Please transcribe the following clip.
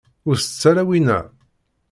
Ur tett ara winna.